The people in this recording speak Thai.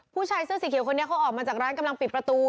ผู้ชายเสื้อสีเขียวคนนี้เขาออกมาจากร้านกำลังปิดประตู